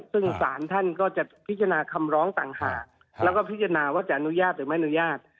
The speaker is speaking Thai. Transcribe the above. ซึ่งสารท่านก็จะพิจารณาคำร้องต่างหากแล้วก็พิจารณาว่าจะอนุญาตหรือไม่อนุญาต